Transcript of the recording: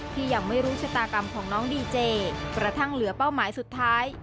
ยังไม่รู้ชะตากรรมของน้องดีเจกระทั่งเหลือเป้าหมายสุดท้าย